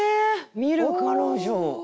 「見る彼女」。